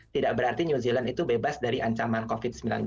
tidak berarti new zealand itu bebas dari ancaman covid sembilan belas